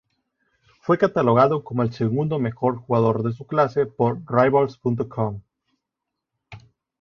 Fue catalogado como el segundo mejor jugador de su clase por Rivals.com.